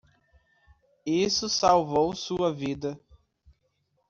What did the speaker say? Isso salvou sua vida.